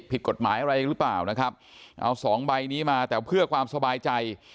ผิดกฎหมายอะไรหรือเปล่านะครับเอาสองใบนี้มาแต่เพื่อความสบายใจ